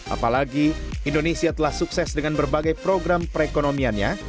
apalagi indonesia telah sukses dengan berbagai program perekonomiannya